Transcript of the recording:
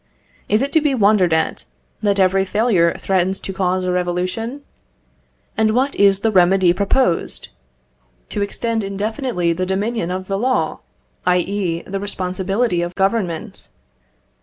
Is it to be wondered at that every failure threatens to cause a revolution? And what is the remedy proposed? To extend indefinitely the dominion of the law, i.e., the responsibility of Government.